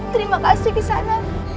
terima kasih nisana